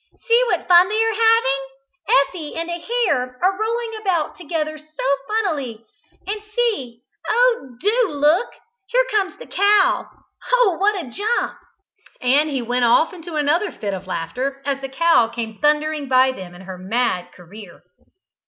"See what fun they are having! Effie and a hare are rolling about together so funnily. And see oh, do look. Here comes the cow! Oh, what a jump!" And he went off into another fit of laughter as the cow came thundering by them in her mad career.